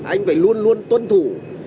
anh phải luôn luôn tuân thủ